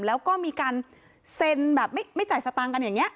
แล้วก็มีการเซ็นแบบไม่จ่ายสตางค์กันอย่างนี้